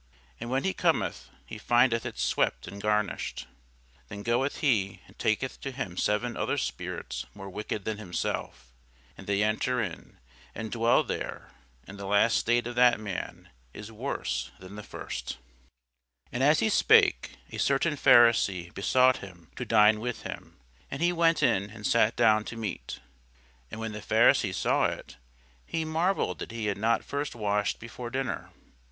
And when he cometh, he findeth it swept and garnished. Then goeth he, and taketh to him seven other spirits more wicked than himself; and they enter in, and dwell there: and the last state of that man is worse than the first. [Illustration: CHRIST DISPUTING WITH THE DOCTORS, BY LUINI IN THE NATIONAL GALLERY, LONDON] And as he spake, a certain Pharisee besought him to dine with him: and he went in, and sat down to meat. And when the Pharisee saw it, he marvelled that he had not first washed before dinner.